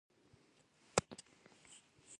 آیا او مانا نلري؟